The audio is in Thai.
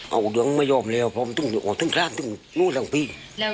เอาเรื่องไม่ยอมแล้วผมต้องอยู่ออกทั้งครั้งต้องรู้สั่งพี่